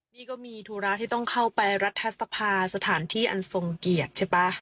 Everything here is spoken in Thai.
นี่ก็มีธุระที่ต้องเข้าไปรัฐสภาสถานที่อันทรงเกียรติใช่ป่ะ